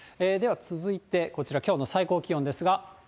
では続いてこちら、きょうの最高気温ですが。